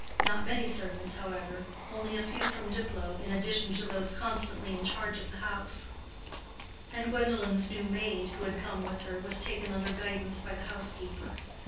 Not many servants, however: only a few from Diplow in addition to those constantly in charge of the house; and Gwendolen's new maid, who had come with her, was taken under guidance by the housekeeper.